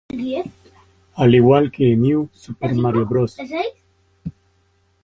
Al igual que New Super Mario Bros.